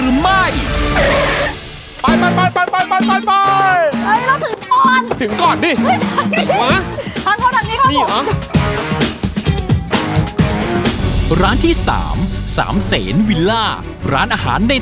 เอาเว้ยเอาเว้ย